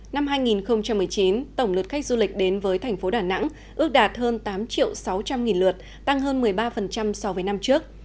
năm hai nghìn một mươi chín tổng lượt khách du lịch đến với thành phố đà nẵng ước đạt hơn tám sáu trăm linh lượt tăng hơn một mươi ba so với năm trước